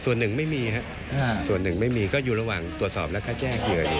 ส่วนหนึ่งไม่มีครับส่วนหนึ่งไม่มีก็อยู่ระหว่างตรวจสอบแล้วก็แจ้งเหยื่ออยู่